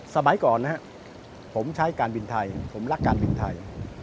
สบายก่อนผมใช้การบินไทยผมรักการบินไทย